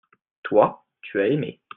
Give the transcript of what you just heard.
toi tu as aimé.